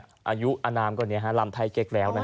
อายุอนามกว่านี้ลำไทยเก๊กแล้วนะฮะ